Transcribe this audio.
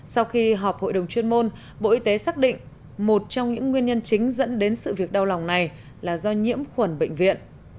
sau khi họp hội đồng chuyên môn bộ y tế xác định một trong những nguyên nhân chính dẫn đến sự việc đau lòng này là do nhiễm khuẩn bệnh viện